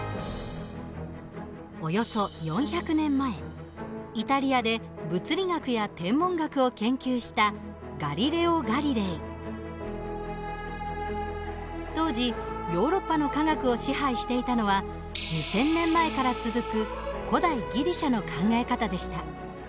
およそ４００年前イタリアで物理学や天文学を研究した当時ヨーロッパの科学を支配していたのは２，０００年前から続く古代ギリシアの考え方でした。